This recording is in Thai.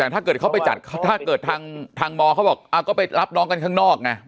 แต่ถ้าเกิดเขาไปจัดถ้าเกิดทางมเขาบอกก็ไปรับน้องกันข้างนอกไง